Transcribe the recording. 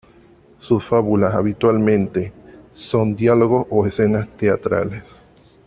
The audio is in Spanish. Sus fábulas, habitualmente, son diálogos o escenas teatrales.